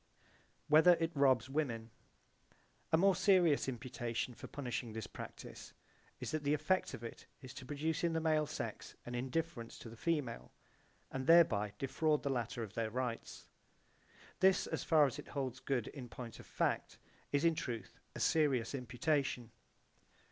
Whether it robs women A more serious imputation for punishing this practise [is] that the effect of it is to produce in the male sex an indifference to the female, and thereby defraud the latter of their rights. This, as far as it holds good in point of fact, is in truth a serious imputation.